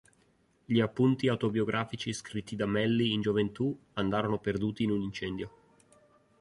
Gli appunti autobiografici scritti da Manly in gioventù andarono perduti in un incendio.